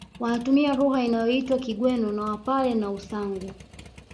Wanatumia lugha inayoitwa Kigweno na Wapare wa Usangu